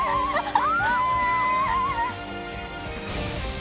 あ！